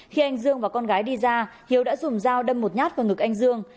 khi anh dương và con gái đi ra hiếu đã dùng dao đâm một nhát vào ngực anh dương